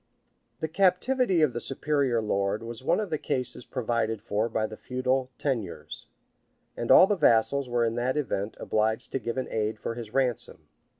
[* Rymer, vol. i. p. 84.] The captivity of the superior lord was one of the cases provided for by the feudal tenures; and all the vassals were in that event obliged to give an aid for his ransom.